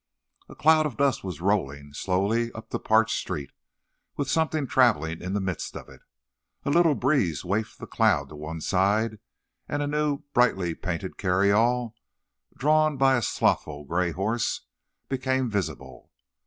A cloud of dust was rolling, slowly up the parched street, with something travelling in the midst of it. A little breeze wafted the cloud to one side, and a new, brightly painted carryall, drawn by a slothful gray horse, became visible.